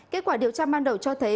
kết quả điều tra ban đầu cho thấy